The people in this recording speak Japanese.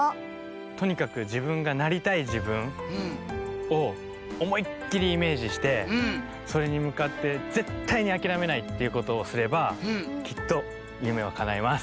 とにかくじぶんがなりたいじぶんをおもいっきりイメージしてそれにむかってぜったいにあきらめないっていうことをすればきっとゆめはかないます。